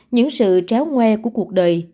những sự tréo nguê của cuộc đời